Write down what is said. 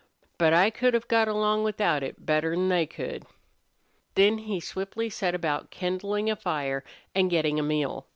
"But I could have got along without it better 'n they could." Then he swiftly set about kindling a fire and getting a meal.